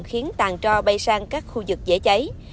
khiến tàn trò bay sang các khu vực dễ cháy